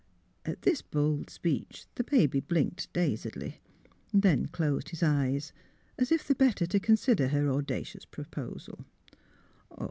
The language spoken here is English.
" At this bold speech the baby blinked dazedly; then closed his eyes, as if the better to consider her audacious proposal.